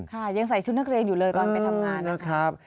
ยังใส่ชุดนักเรียนอยู่เลยตอนไปทำงานนะครับ